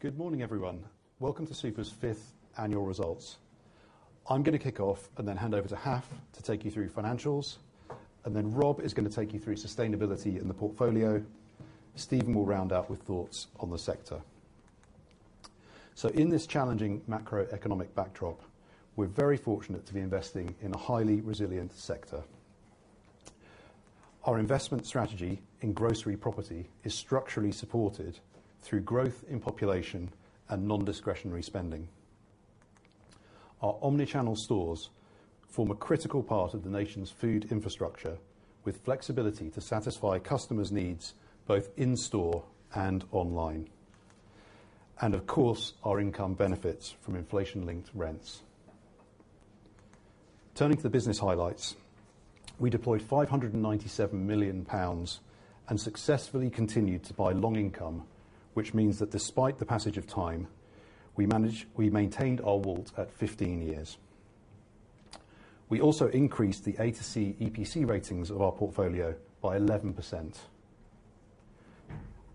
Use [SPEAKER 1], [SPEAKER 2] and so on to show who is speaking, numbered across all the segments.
[SPEAKER 1] Good morning, everyone. Welcome to SUPR's fifth annual results. I'm gonna kick off and then hand over to Haf to take you through financials, and then Rob is gonna take you through sustainability in the portfolio. Steven will round out with thoughts on the sector. In this challenging macroeconomic backdrop, we're very fortunate to be investing in a highly resilient sector. Our investment strategy in grocery property is structurally supported through growth in population and non-discretionary spending. Our omnichannel stores form a critical part of the nation's food infrastructure, with flexibility to satisfy customers' needs both in store and online. And of course, our income benefits from inflation-linked rents. Turning to the business highlights. We deployed 597 million pounds and successfully continued to buy long income, which means that despite the passage of time, we maintained our WALT at 15 years. We also increased the A-C EPC ratings of our portfolio by 11%.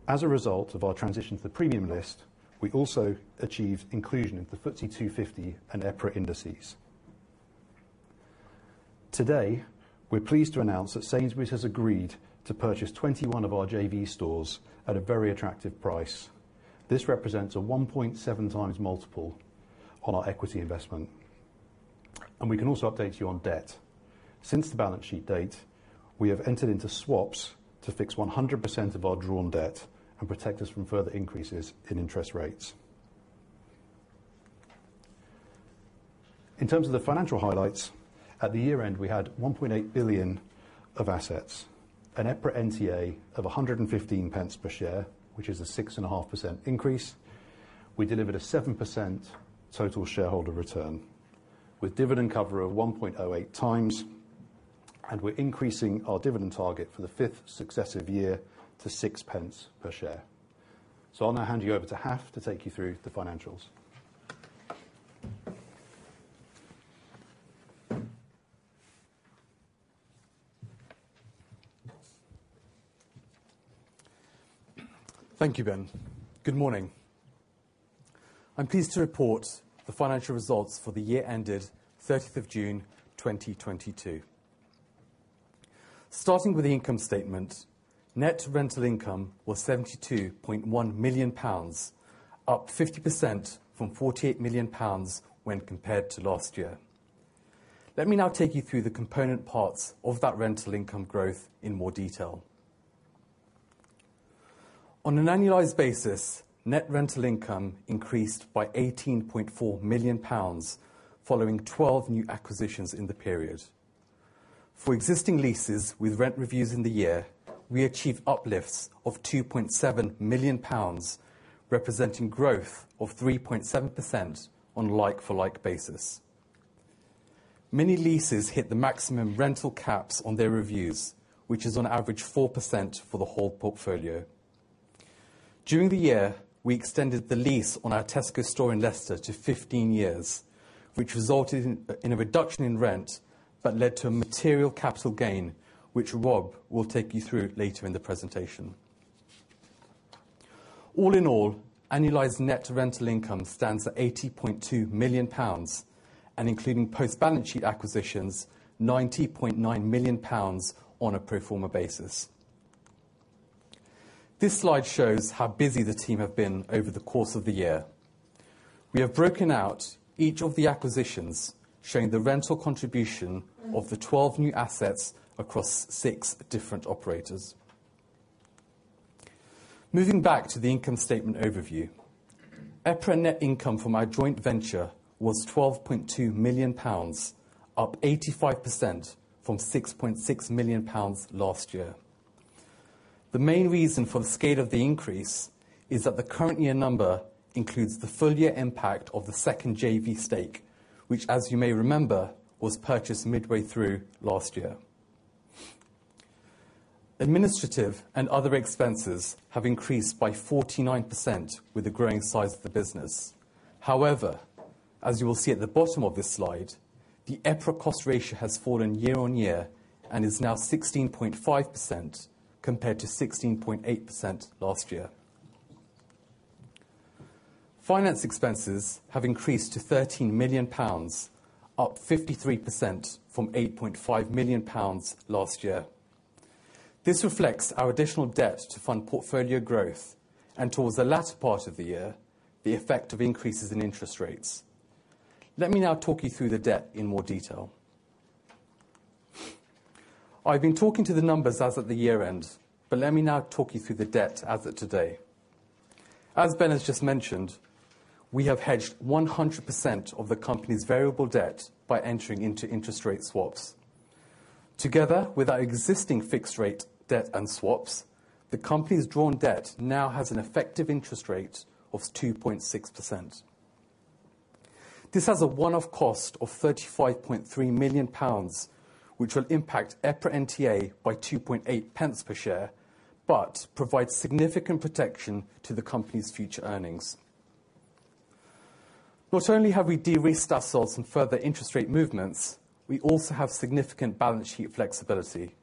[SPEAKER 1] As a result of our transition to the premium list, we also achieved inclusion in the FTSE 250 and EPRA indices. Today, we're pleased to announce that Sainsbury's has agreed to purchase 21 of our JV stores at a very attractive price. This represents a 1.7x multiple on our equity investment. We can also update you on debt. Since the balance sheet date, we have entered into swaps to fix 100% of our drawn debt and protect us from further increases in interest rates. In terms of the financial highlights, at the year-end, we had 1.8 billion of assets, an EPRA NTA of 115 pence per share, which is a 6.5% increase. We delivered a 7% total shareholder return with dividend cover of 1.08x, and we're increasing our dividend target for the fifth successive year to 6 pence per share. I'll now hand you over to Haf to take you through the financials.
[SPEAKER 2] Thank you, Ben. Good morning. I'm pleased to report the financial results for the year ended 30th of June, 2022. Starting with the income statement, net rental income was GBP 72.1 million, up 50% from GBP 48 million when compared to last year. Let me now take you through the component parts of that rental income growth in more detail. On an annualized basis, net rental income increased by 18.4 million pounds, following 12 new acquisitions in the period. For existing leases with rent reviews in the year, we achieved uplifts of 2.7 million pounds, representing growth of 3.7% on a like-for-like basis. Many leases hit the maximum rental caps on their reviews, which is on average 4% for the whole portfolio. During the year, we extended the lease on our Tesco store in Leicester to 15 years, which resulted in a reduction in rent, but led to a material capital gain, which Rob will take you through later in the presentation. All in all, annualized net rental income stands at 80.2 million pounds, and including post-balance sheet acquisitions, 90.9 million pounds on a pro forma basis. This slide shows how busy the team have been over the course of the year. We have broken out each of the acquisitions, showing the rental contribution of the 12 new assets across six different operators. Moving back to the income statement overview, EPRA net income from our joint venture was 12.2 million pounds, up 85% from 6.6 million pounds last year. The main reason for the scale of the increase is that the current year number includes the full year impact of the second JV stake, which, as you may remember, was purchased midway through last year. Administrative and other expenses have increased by 49% with the growing size of the business. However, as you will see at the bottom of this slide, the EPRA cost ratio has fallen year-over-year and is now 16.5% compared to 16.8% last year. Finance expenses have increased to 13 million pounds, up 53% from 8.5 million pounds last year. This reflects our additional debt to fund portfolio growth and towards the latter part of the year, the effect of increases in interest rates. Let me now talk you through the debt in more detail. I've been talking to the numbers as of the year-end, but let me now talk you through the debt as of today. As Ben has just mentioned, we have hedged 100% of the company's variable debt by entering into interest rate swaps. Together with our existing fixed rate debt and swaps, the company's drawn debt now has an effective interest rate of 2.6%. This has a one-off cost of 35.3 million pounds, which will impact EPRA NTA by 2.8 pence per share, but provide significant protection to the company's future earnings. Not only have we de-risked ourselves in further interest rate movements, we also have significant balance sheet flexibility.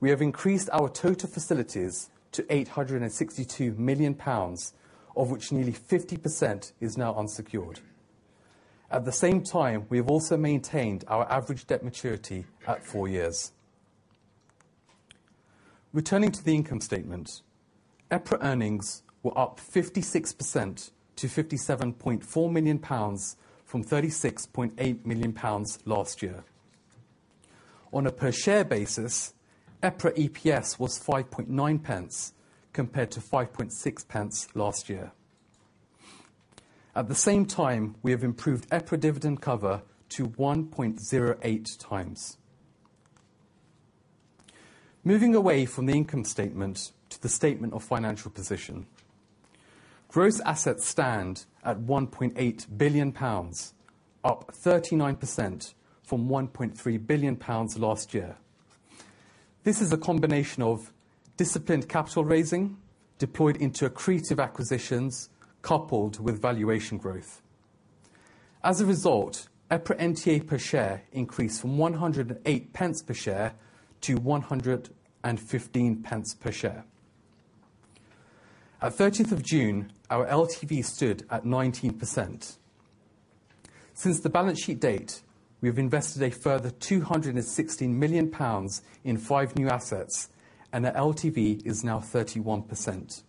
[SPEAKER 2] We have increased our total facilities to 862 million pounds, of which nearly 50% is now unsecured. At the same time, we have also maintained our average debt maturity at 4 years. Returning to the income statement, EPRA earnings were up 56% to 57.4 million pounds from 36.8 million pounds last year. On a per share basis, EPRA EPS was 5.9 pence compared to 5.6 pence last year. At the same time, we have improved EPRA dividend cover to 1.08 times. Moving away from the income statement to the statement of financial position. Gross assets stand at 1.8 billion pounds, up 39% from 1.3 billion pounds last year. This is a combination of disciplined capital raising, deployed into accretive acquisitions, coupled with valuation growth. As a result, EPRA NTA per share increased from 108 pence per share to 115 pence per share. At 13th of June, our LTV stood at 19%. Since the balance sheet date, we have invested a further 260 million pounds in 5 new assets, and our LTV is now 31%.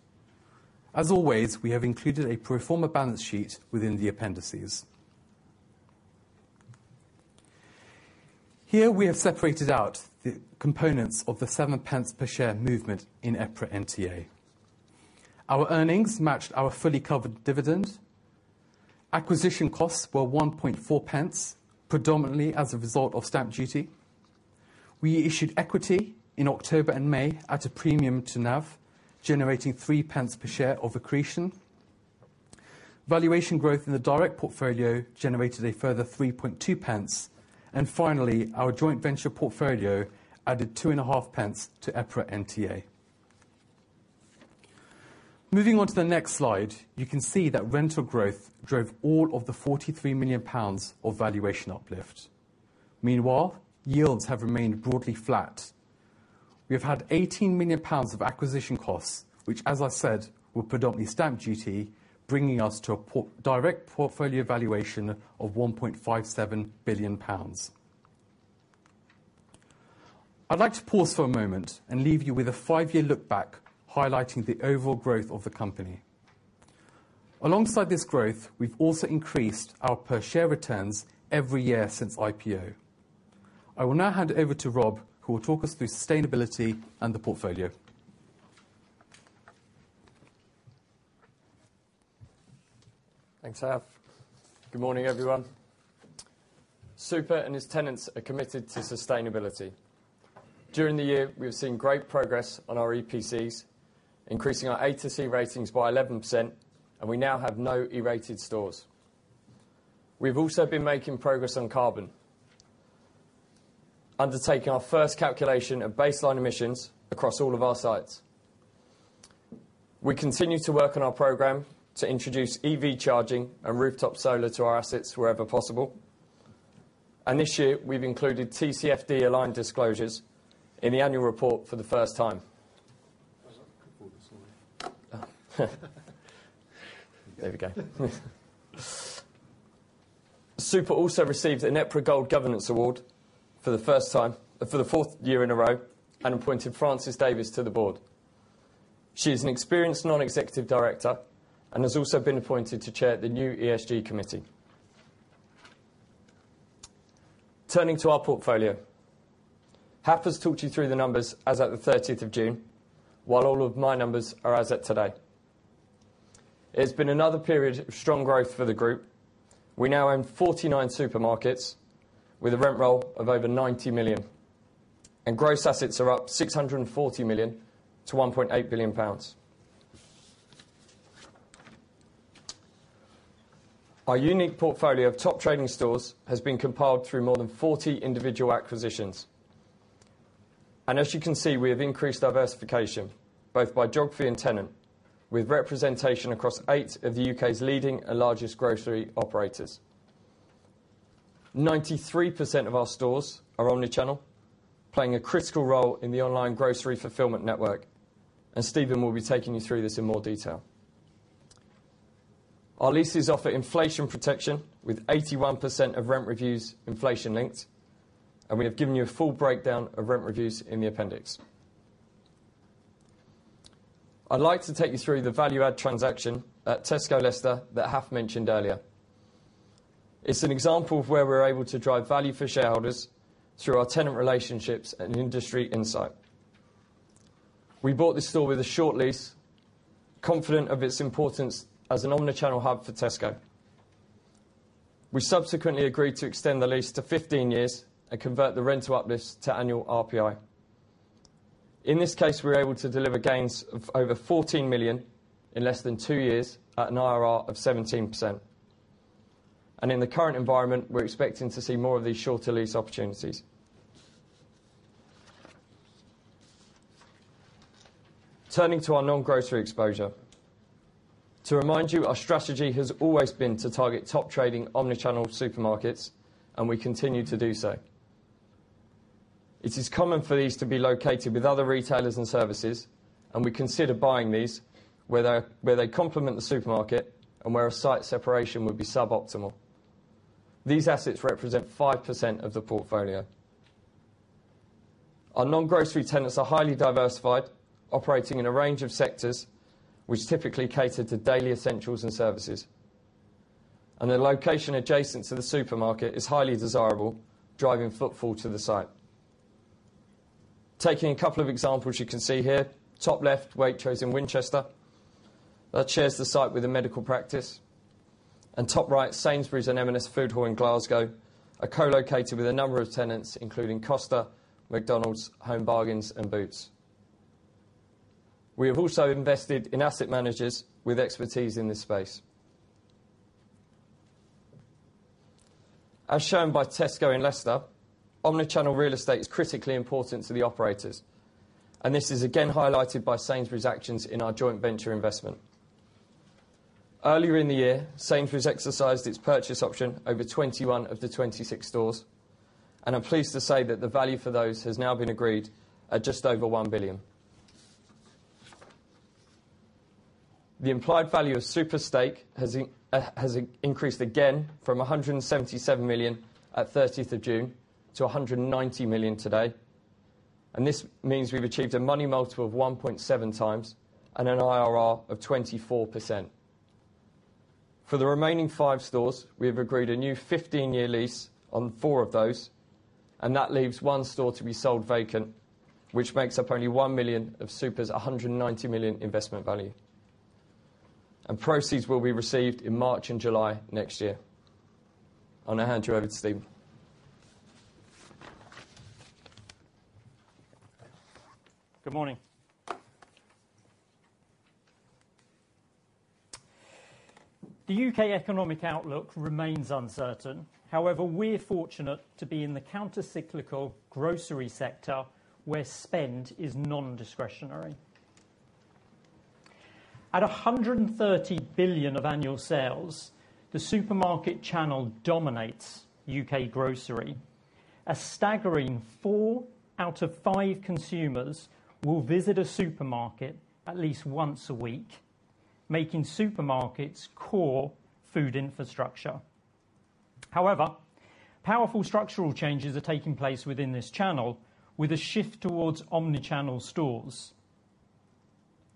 [SPEAKER 2] As always, we have included a pro forma balance sheet within the appendices. Here, we have separated out the components of the 7 pence per share movement in EPRA NTA. Our earnings matched our fully covered dividend. Acquisition costs were 1.4 pence, predominantly as a result of stamp duty. We issued equity in October and May at a premium to NAV, generating 3 pence per share of accretion. Valuation growth in the direct portfolio generated a further 3.2 pence. Finally, our joint venture portfolio added 2.5 pence to EPRA NTA. Moving on to the next slide, you can see that rental growth drove all of the 43 million pounds of valuation uplift. Meanwhile, yields have remained broadly flat. We have had 18 million pounds of acquisition costs, which, as I said, were predominantly stamp duty, bringing us to a post-acquisition portfolio valuation of GBP 1.57 billion. I'd like to pause for a moment and leave you with a 5-year look back, highlighting the overall growth of the company. Alongside this growth, we've also increased our per share returns every year since IPO. I will now hand over to Rob, who will talk us through sustainability and the portfolio.
[SPEAKER 3] Thanks, Haf. Good morning, everyone. Super and its tenants are committed to sustainability. During the year, we have seen great progress on our EPCs, increasing our A to C ratings by 11%, and we now have no E-rated stores. We've also been making progress on carbon, undertaking our first calculation of baseline emissions across all of our sites. We continue to work on our program to introduce EV charging and rooftop solar to our assets wherever possible. This year, we've included TCFD-aligned disclosures in the annual report for the first time.
[SPEAKER 2] I was like, oh, sorry.
[SPEAKER 3] Super also received an EPRA Gold Governance Award for the fourth year in a row, and appointed Frances Davies to the board. She is an experienced non-executive director and has also been appointed to chair the new ESG committee. Turning to our portfolio. Haf has talked you through the numbers as at the thirteenth of June, while all of my numbers are as at today. It's been another period of strong growth for the group. We now own 49 supermarkets with a rent roll of over 90 million, and gross assets are up 640 million to 1.8 billion pounds. Our unique portfolio of top trading stores has been compiled through more than 40 individual acquisitions. As you can see, we have increased diversification, both by geography and tenant, with representation across eight of the UK's leading and largest grocery operators. 93% of our stores are omnichannel, playing a critical role in the online grocery fulfillment network, and Steven will be taking you through this in more detail. Our leases offer inflation protection with 81% of rent reviews inflation-linked, and we have given you a full breakdown of rent reviews in the appendix. I'd like to take you through the value add transaction at Tesco Leicester that Haf mentioned earlier. It's an example of where we're able to drive value for shareholders through our tenant relationships and industry insight. We bought this store with a short lease, confident of its importance as an omnichannel hub for Tesco. We subsequently agreed to extend the lease to 15 years and convert the rental uplifts to annual RPI. In this case, we were able to deliver gains of over 14 million in less than two years at an IRR of 17%. In the current environment, we're expecting to see more of these shorter lease opportunities. Turning to our non-grocery exposure. To remind you, our strategy has always been to target top trading omnichannel supermarkets, and we continue to do so. It is common for these to be located with other retailers and services, and we consider buying these where they complement the supermarket and where a site separation would be suboptimal. These assets represent 5% of the portfolio. Our non-grocery tenants are highly diversified, operating in a range of sectors which typically cater to daily essentials and services. The location adjacent to the supermarket is highly desirable, driving footfall to the site. Taking a couple of examples you can see here, top left, Waitrose in Winchester, that shares the site with a medical practice. Top right, Sainsbury's and M&S Foodhall in Glasgow are co-located with a number of tenants including Costa, McDonald's, Home Bargains and Boots. We have also invested in asset managers with expertise in this space. As shown by Tesco in Leicester, omnichannel real estate is critically important to the operators, and this is again highlighted by Sainsbury's actions in our joint venture investment. Earlier in the year, Sainsbury's exercised its purchase option over 21/26 stores, and I'm pleased to say that the value for those has now been agreed at just over 1 billion. The implied value of SUPR stake has increased again from 177 million at 30th of June to 190 million today, and this means we've achieved a money multiple of 1.7x and an IRR of 24%. For the remaining five stores, we have agreed a new 15-year lease on four of those, and that leaves one store to be sold vacant, which makes up only 1 million of SUPR's 190 million investment value. Proceeds will be received in March and July next year. I'll now hand you over to Steven.
[SPEAKER 4] Good morning. The UK economic outlook remains uncertain. However, we're fortunate to be in the counter-cyclical grocery sector where spend is non-discretionary. At 130 billion of annual sales, the supermarket channel dominates UK grocery. A staggering 4/5 consumers will visit a supermarket at least once a week, making supermarkets core food infrastructure. However, powerful structural changes are taking place within this channel, with a shift towards omnichannel stores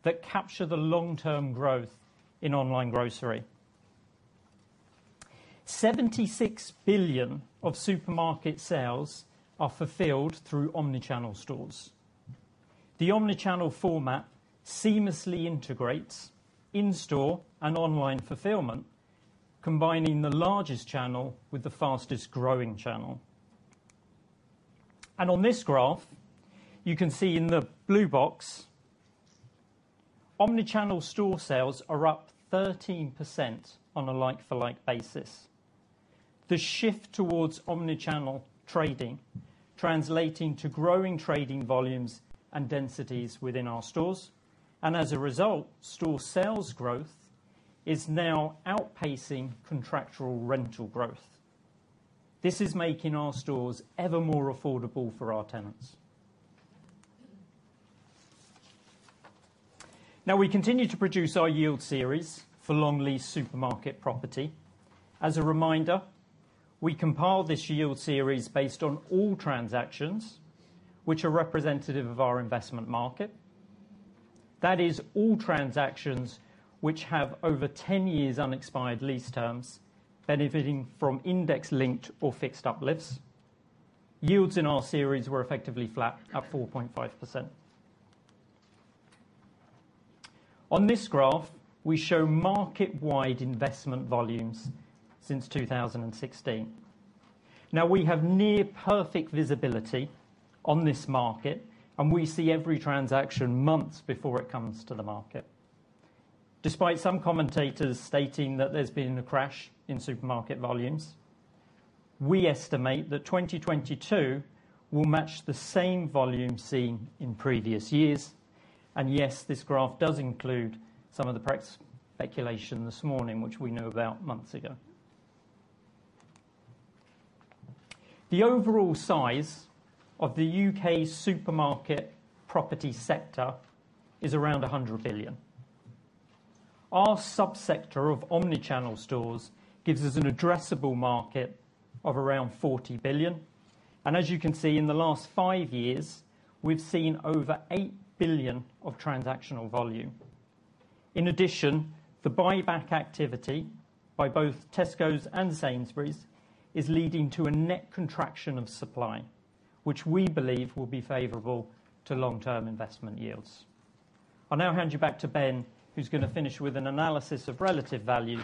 [SPEAKER 4] that capture the long-term growth in online grocery. 76 billion of supermarket sales are fulfilled through omnichannel stores. The omnichannel format seamlessly integrates in-store and online fulfillment, combining the largest channel with the fastest-growing channel. On this graph, you can see in the blue box, omnichannel store sales are up 13% on a like for like basis. The shift towards omnichannel trading translating to growing trading volumes and densities within our stores. As a result, store sales growth is now outpacing contractual rental growth. This is making our stores ever more affordable for our tenants. Now we continue to produce our yield series for long lease supermarket property. As a reminder, we compile this yield series based on all transactions which are representative of our investment market. That is all transactions which have over 10 years' unexpired lease terms benefiting from index linked or fixed uplifts. Yields in our series were effectively flat at 4.5%. On this graph, we show market-wide investment volumes since 2016. Now we have near perfect visibility on this market, and we see every transaction months before it comes to the market. Despite some commentators stating that there's been a crash in supermarket volumes, we estimate that 2022 will match the same volume seen in previous years, and yes, this graph does include some of the press speculation this morning, which we know about months ago. The overall size of the UK supermarket property sector is around 100 billion. Our sub-sector of omnichannel stores gives us an addressable market of around 40 billion, and as you can see, in the last five years, we've seen over 8 billion of transactional volume. In addition, the buyback activity by both Tesco's and Sainsbury's is leading to a net contraction of supply, which we believe will be favorable to long-term investment yields. I'll now hand you back to Ben, who's gonna finish with an analysis of relative value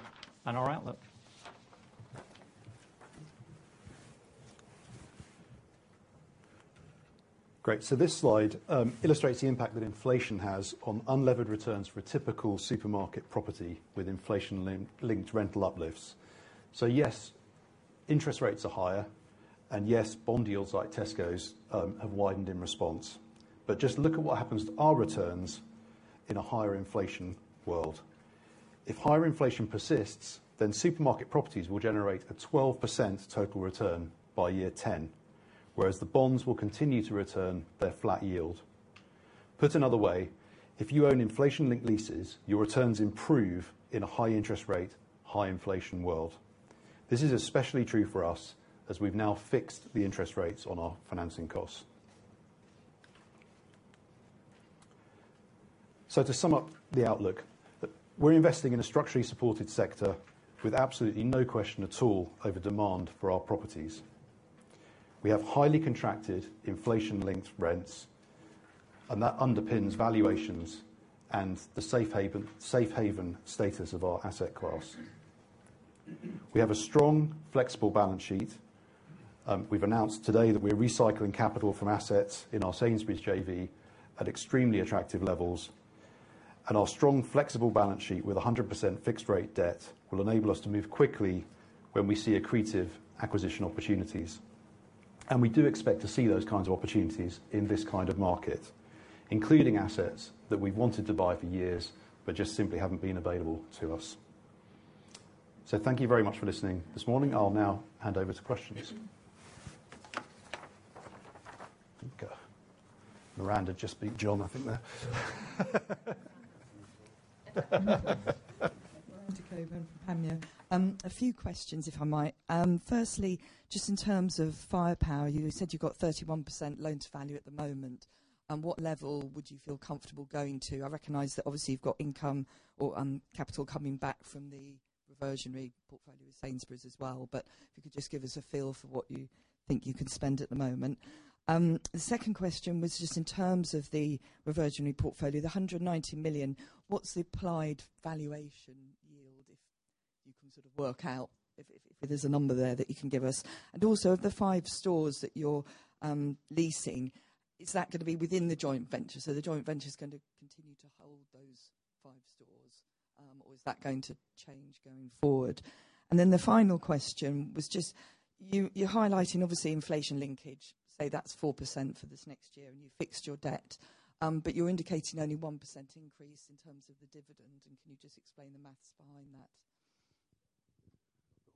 [SPEAKER 4] and our outlook.
[SPEAKER 1] Great. This slide illustrates the impact that inflation has on unlevered returns for a typical supermarket property with inflation linked rental uplifts. Yes Interest rates are higher, and yes, bond deals like Tesco's have widened in response. Just look at what happens to our returns in a higher inflation world. If higher inflation persists, then supermarket properties will generate a 12% total return by year ten, whereas the bonds will continue to return their flat yield. Put another way, if you own inflation-linked leases, your returns improve in a high interest rate, high inflation world. This is especially true for us as we've now fixed the interest rates on our financing costs. To sum up the outlook, we're investing in a structurally supported sector with absolutely no question at all over demand for our properties. We have highly contracted inflation-linked rents, and that underpins valuations and the safe haven status of our asset class. We have a strong flexible balance sheet. We've announced today that we're recycling capital from assets in our Sainsbury's JV at extremely attractive levels. Our strong flexible balance sheet with 100% fixed-rate debt will enable us to move quickly when we see accretive acquisition opportunities. We do expect to see those kinds of opportunities in this kind of market, including assets that we've wanted to buy for years, but just simply haven't been available to us. Thank you very much for listening this morning. I'll now hand over to questions. Miranda just beat John, I think there.
[SPEAKER 5] Miranda Cockburn from Panmure Gordon. A few questions, if I might. Firstly, just in terms of firepower, you said you got 31% loan to value at the moment. What level would you feel comfortable going to? I recognize that obviously you've got income or capital coming back from the reversionary portfolio with Sainsbury's as well. If you could just give us a feel for what you think you can spend at the moment. The second question was just in terms of the reversionary portfolio, the 190 million, what's the applied valuation yield, if you can sort of work out, if there's a number there that you can give us? Also the five stores that you're leasing, is that gonna be within the joint venture? The joint venture is going to continue to hold those five stores, or is that going to change going forward? The final question was just you highlighting, obviously, inflation linkage. Say, that's 4% for this next year, and you fixed your debt, but you're indicating only 1% increase in terms of the dividend. Can you just explain the math behind that?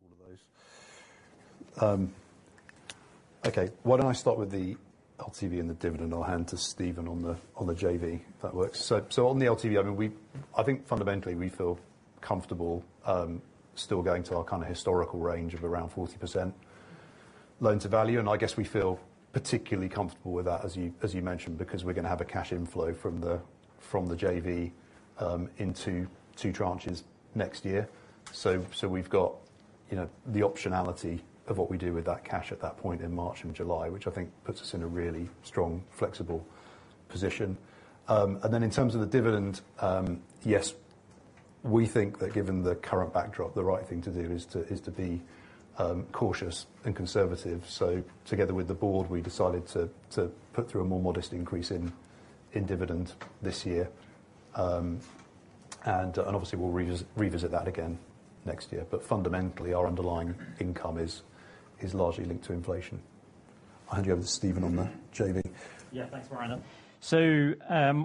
[SPEAKER 1] All of those. Why don't I start with the LTV and the dividend. I'll hand to Steven on the JV, if that works. On the LTV, I mean, I think fundamentally, we feel comfortable still going to our kind of historical range of around 40% loan-to-value. I guess we feel particularly comfortable with that, as you mentioned, because we're gonna have a cash inflow from the JV into two tranches next year. We've got, you know, the optionality of what we do with that cash at that point in March and July, which I think puts us in a really strong, flexible position. Then in terms of the dividend, yes, we think that given the current backdrop, the right thing to do is to be cautious and conservative. Together with the board, we decided to put through a more modest increase in dividend this year. Obviously, we'll revisit that again next year. Fundamentally, our underlying income is largely linked to inflation. I'll hand you over to Steven on the JV.
[SPEAKER 4] Yeah. Thanks, Miranda.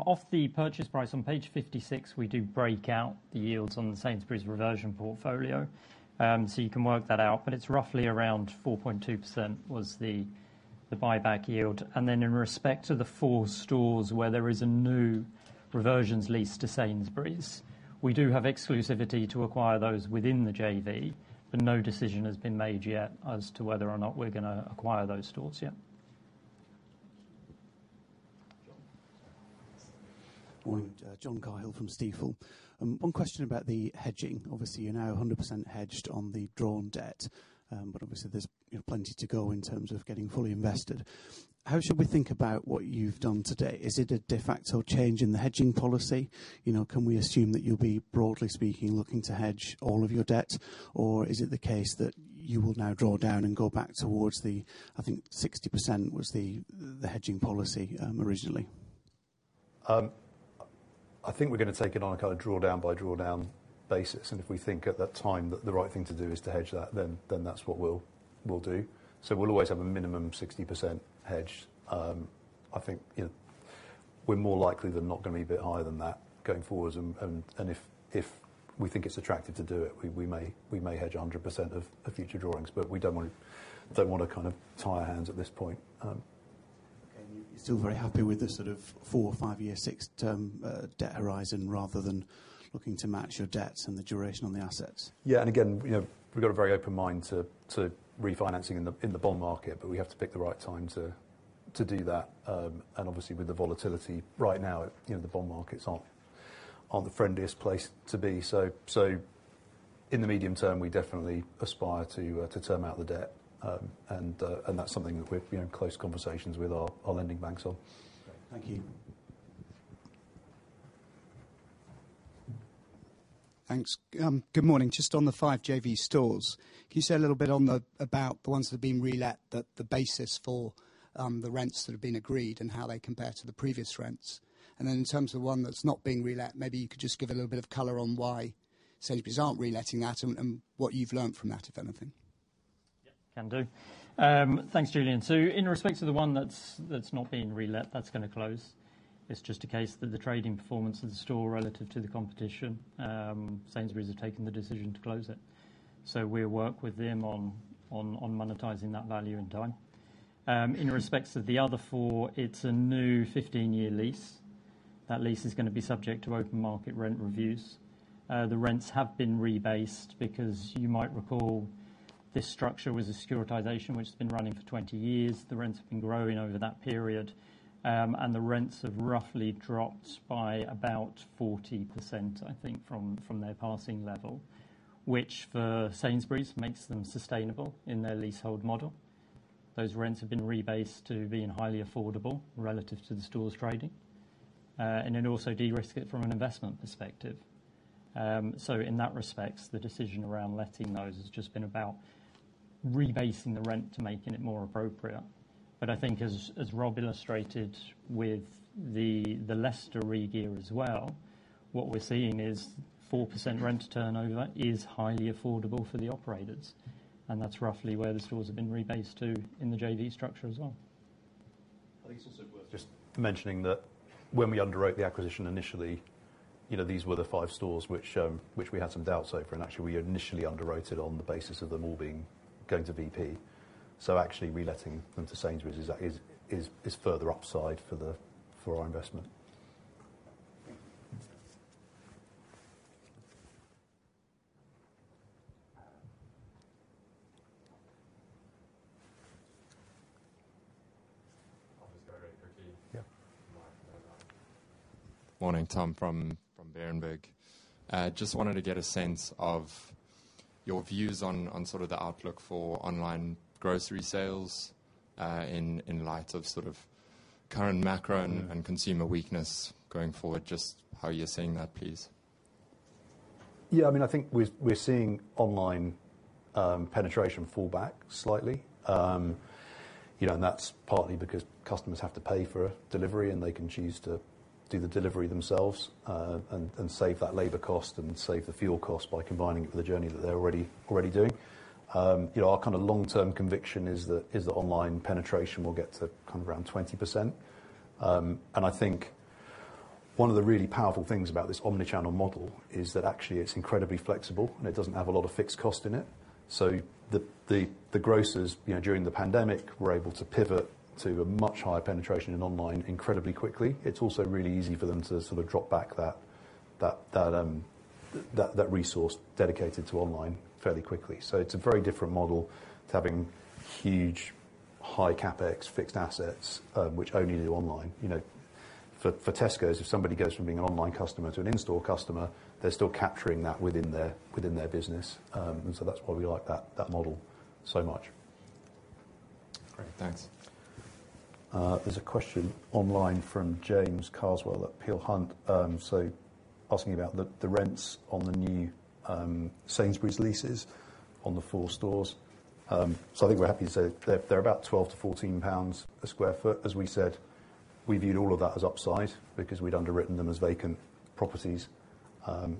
[SPEAKER 4] Off the purchase price on page 56, we do break out the yields on the Sainsbury's reversion portfolio. You can work that out, but it's roughly around 4.2% was the buyback yield. Then in respect to the four stores where there is a new reversions lease to Sainsbury's, we do have exclusivity to acquire those within the JV, but no decision has been made yet as to whether or not we're gonna acquire those stores yet.
[SPEAKER 1] John.
[SPEAKER 6] Morning. John Cahill from Stifel. One question about the hedging. Obviously, you're now 100% hedged on the drawn debt, but obviously there's, you know, plenty to go in terms of getting fully invested. How should we think about what you've done today? Is it a de facto change in the hedging policy? You know, can we assume that you'll be, broadly speaking, looking to hedge all of your debt? Or is it the case that you will now draw down and go back towards the, I think 60% was the hedging policy, originally.
[SPEAKER 1] I think we're gonna take it on a kind of draw down by draw down basis. If we think at that time that the right thing to do is to hedge that, then that's what we'll do. We'll always have a minimum 60% hedge. I think, you know, we're more likely than not gonna be a bit higher than that going forwards. If we think it's attractive to do it, we may hedge 100% of future drawings, but we don't wanna kind of tie our hands at this point.
[SPEAKER 6] Okay. You're still very happy with the sort of four- or five-year fixed-term debt horizon rather than looking to match your debts and the duration on the assets?
[SPEAKER 1] Yeah. Again, you know, we've got a very open mind to refinancing in the bond market, but we have to pick the right time to do that. Obviously, with the volatility right now, you know, the bond markets aren't the friendliest place to be. In the medium term, we definitely aspire to term out the debt. That's something that we're, you know, in close conversations with our lending banks on.
[SPEAKER 6] Thank you.
[SPEAKER 7] Thanks. Good morning. Just on the five JV stores, can you say a little bit on the ones that are being relet, the basis for the rents that have been agreed and how they compare to the previous rents? In terms of one that's not being relet, maybe you could just give a little bit of color on why Sainsbury's aren't reletting that and what you've learned from that, if anything.
[SPEAKER 4] Can do. Thanks, Julian. In respect to the one that's not been relet, that's gonna close. It's just a case that the trading performance of the store relative to the competition, Sainsbury's have taken the decision to close it. We'll work with them on monetizing that value in time. In respects to the other four, it's a new 15-year lease. That lease is gonna be subject to open market rent reviews. The rents have been rebased because you might recall this structure was a securitization which has been running for 20 years. The rents have been growing over that period, and the rents have roughly dropped by about 40%, I think, from their passing level, which, for Sainsbury's, makes them sustainable in their leasehold model. Those rents have been rebased to being highly affordable relative to the stores trading, and it also de-risk it from an investment perspective. In that respect, the decision around letting those has just been about rebasing the rent to making it more appropriate. I think as Rob illustrated with the Leicester regear as well, what we're seeing is 4% rent turnover is highly affordable for the operators, and that's roughly where the stores have been rebased to in the JV structure as well.
[SPEAKER 1] I think it's also worth just mentioning that when we underwrote the acquisition initially, you know, these were the five stores which which we had some doubts over, and actually we initially underwrote it on the basis of them all being going to BP. Actually reletting them to Sainsbury's is a further upside for our investment.
[SPEAKER 8] I'll just go very quickly.
[SPEAKER 1] Yeah.
[SPEAKER 8] Morning, Tom from Berenberg. Just wanted to get a sense of your views on sort of the outlook for online grocery sales, in light of sort of current macro and consumer weakness going forward, just how you're seeing that, please.
[SPEAKER 1] Yeah. I mean, I think we're seeing online penetration fall back slightly. You know, that's partly because customers have to pay for delivery, and they can choose to do the delivery themselves, and save that labor cost and save the fuel cost by combining it with a journey that they're already doing. You know, our kind of long-term conviction is that online penetration will get to kind of around 20%. I think one of the really powerful things about this omnichannel model is that actually it's incredibly flexible, and it doesn't have a lot of fixed cost in it. The grocers, you know, during the pandemic, were able to pivot to a much higher penetration in online incredibly quickly. It's also really easy for them to sort of drop back that resource dedicated to online fairly quickly. It's a very different model to having huge high CapEx fixed assets, which only do online. You know, for Tesco's, if somebody goes from being an online customer to an in-store customer, they're still capturing that within their business. That's why we like that model so much.
[SPEAKER 8] Great. Thanks.
[SPEAKER 1] There's a question online from James Carswell at Peel Hunt asking about the rents on the new Sainsbury's leases on the four stores. I think we're happy to say they're about 12-14 pounds a sq ft. As we said, we view all of that as upside because we'd underwritten them as vacant properties. You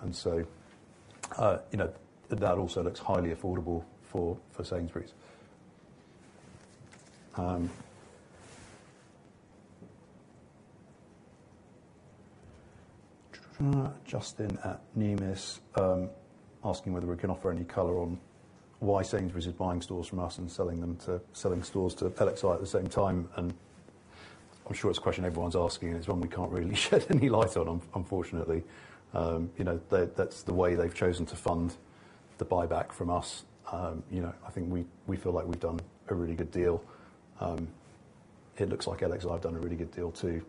[SPEAKER 1] know, that also looks highly affordable for Sainsbury's. Justin at Numis asking whether we can offer any color on why Sainsbury's is buying stores from us and selling stores to LXi at the same time, and I'm sure it's a question everyone's asking. It's one we can't really shed any light on, unfortunately. You know, that's the way they've chosen to fund the buyback from us. You know, I think we feel like we've done a really good deal. It looks like LXi have done a really good deal, too.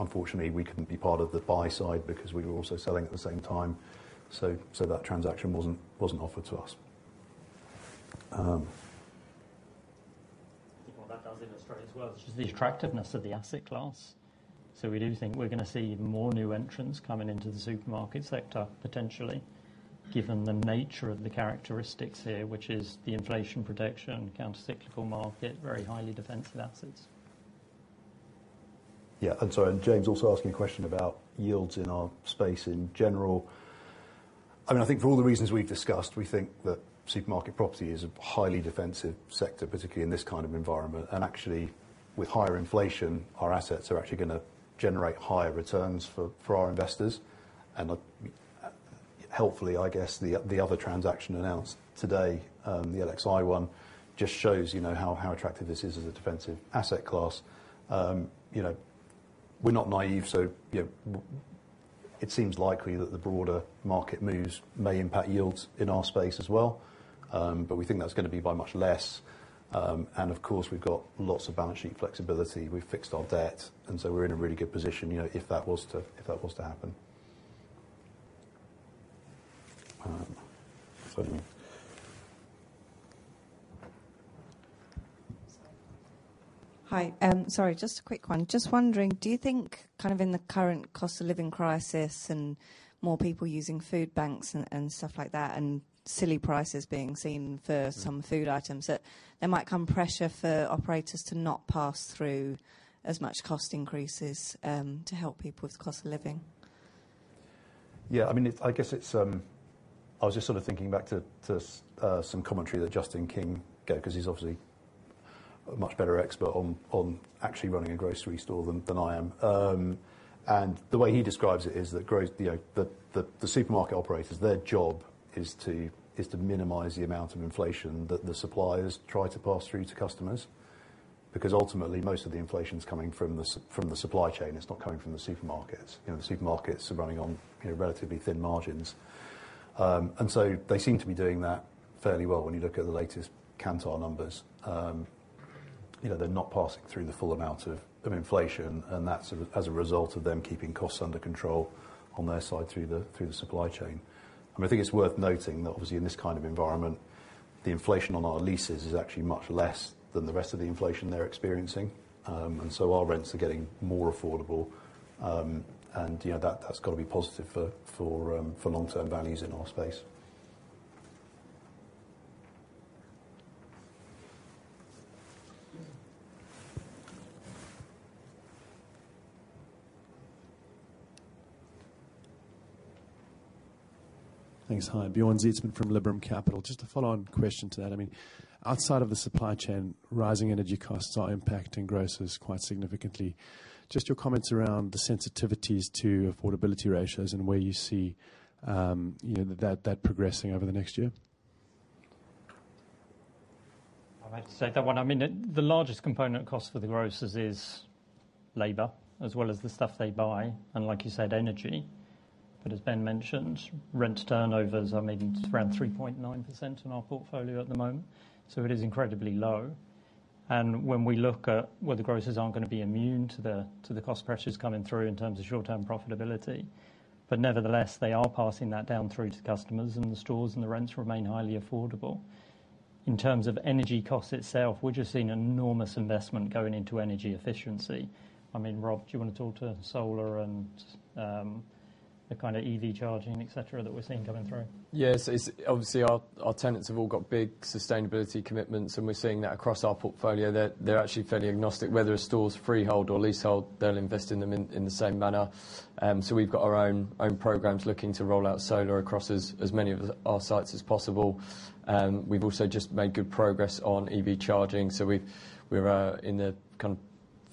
[SPEAKER 1] Unfortunately, we couldn't be part of the buy side because we were also selling at the same time, so that transaction wasn't offered to us.
[SPEAKER 4] I think what that does illustrate as well is just the attractiveness of the asset class. We do think we're gonna see more new entrants coming into the supermarket sector, potentially, given the nature of the characteristics here, which is the inflation protection, counter-cyclical market, very highly defensive assets.
[SPEAKER 1] Yeah. Sorry, James also asking a question about yields in our space in general. I mean, I think for all the reasons we've discussed, we think that supermarket property is a highly defensive sector, particularly in this kind of environment. Actually, with higher inflation, our assets are actually gonna generate higher returns for our investors. Helpfully, I guess, the other transaction announced today, the LXi one, just shows, you know, how attractive this is as a defensive asset class. You know, we're not naive, so you know, it seems likely that the broader market moves may impact yields in our space as well. But we think that's gonna be by much less. Of course, we've got lots of balance sheet flexibility. We've fixed our debt, and so we're in a really good position, you know, if that was to happen. Sorry.
[SPEAKER 9] Hi. Sorry, just a quick one. Just wondering, do you think kind of in the current cost of living crisis and more people using food banks and stuff like that, and silly prices being seen for some food items, that there might come pressure for operators to not pass through as much cost increases, to help people with cost of living?
[SPEAKER 1] Yeah, I mean, I was just sort of thinking back to some commentary that Justin King gave, 'cause he's obviously a much better expert on actually running a grocery store than I am. The way he describes it is that, you know, the supermarket operators, their job is to minimize the amount of inflation that the suppliers try to pass through to customers. Because ultimately, most of the inflation's coming from the supply chain, it's not coming from the supermarkets. You know, the supermarkets are running on, you know, relatively thin margins. They seem to be doing that fairly well when you look at the latest Kantar numbers. You know, they're not passing through the full amount of inflation, and that's as a result of them keeping costs under control on their side through the supply chain. I think it's worth noting that obviously in this kind of environment, the inflation on our leases is actually much less than the rest of the inflation they're experiencing. Our rents are getting more affordable, and you know, that's gotta be positive for long-term values in our space.
[SPEAKER 10] Thanks. Hi. Bjorn Zietsman from Liberum Capital. Just a follow-on question to that. I mean, outside of the supply chain, rising energy costs are impacting grocers quite significantly. Just your comments around the sensitivities to affordability ratios and where you see, you know, that progressing over the next year.
[SPEAKER 4] I'd like to say to that one, I mean, the largest component cost for the grocers is labor, as well as the stuff they buy, and like you said, energy. But as Ben mentioned, rent turnovers are maybe around 3.9% in our portfolio at the moment, so it is incredibly low. When we look at where the grocers aren't gonna be immune to the cost pressures coming through in terms of short-term profitability, but nevertheless, they are passing that down through to customers and the stores, and the rents remain highly affordable. In terms of energy costs itself, we're just seeing enormous investment going into energy efficiency. I mean, Rob, do you wanna talk to solar and the kinda EV charging, et cetera, that we're seeing coming through?
[SPEAKER 3] Yes. It's obviously our tenants have all got big sustainability commitments, and we're seeing that across our portfolio. They're actually fairly agnostic. Whether a store's freehold or leasehold, they'll invest in them in the same manner. So we've got our own programs looking to roll out solar across as many of our sites as possible. We've also just made good progress on EV charging, so we're in the kind of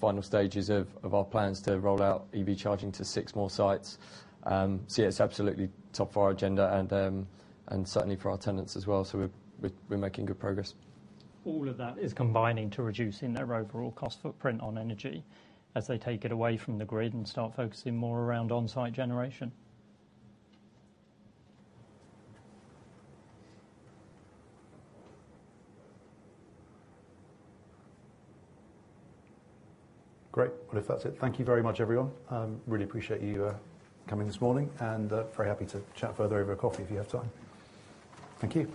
[SPEAKER 3] final stages of our plans to roll out EV charging to 6 more sites. So yeah, it's absolutely top of our agenda and certainly for our tenants as well. We're making good progress.
[SPEAKER 4] All of that is combining to reducing their overall cost footprint on energy as they take it away from the grid and start focusing more around on-site generation.
[SPEAKER 1] Great. Well, if that's it, thank you very much, everyone. Really appreciate you coming this morning, and very happy to chat further over a coffee if you have time. Thank you.